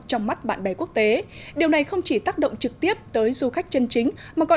trong mắt bạn bè quốc tế điều này không chỉ tác động trực tiếp tới du khách chân chính mà còn